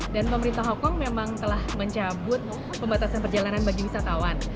dan pemerintah hongkong memang telah mencabut pembatasan perjalanan bagi wisatawan